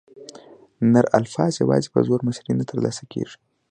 نر الفا یواځې په زور مشري نه تر لاسه کوي.